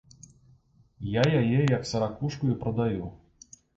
Я яе як саракушку і прадаю.